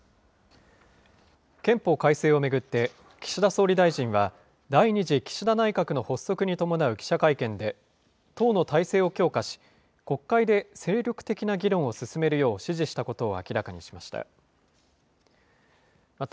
憲法改正を巡って、岸田総理大臣は第２次岸田内閣の発足に伴う記者会見で、党の体制を強化し、国会で精力的な議論を進めるよう指示したことを明らかにしました。